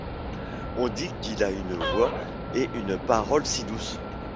On dit qu'il a une voix et une parole si douces.